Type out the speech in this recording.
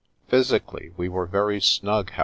Physically, we were very snug, however.